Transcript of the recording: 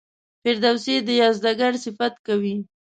فردوسي د یزدګُرد صفت کوي.